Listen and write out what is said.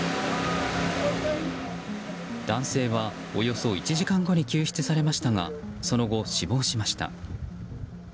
男性は、およそ１時間後に救出されましたがその後、死亡しました。